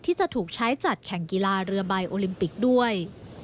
ที่จะถูกใช้จัดแข่งกีฬาเรือใบโอลิมปิกด้วย